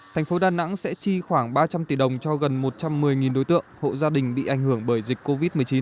thành phố đà nẵng sẽ chi khoảng ba trăm linh tỷ đồng cho gần một trăm một mươi đối tượng hộ gia đình bị ảnh hưởng bởi dịch covid một mươi chín